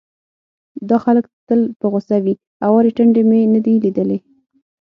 دا خلک تل په غوسه وي، هوارې ټنډې مې نه دي ليدلې،